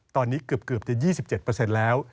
ตอนนี้เกือบจะ๒๗แล้ว